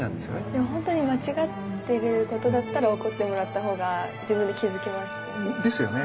でもほんとに間違ってることだったら怒ってもらった方が自分で気付きます。ですよね。